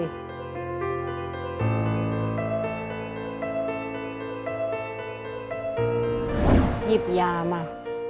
หยิบยามา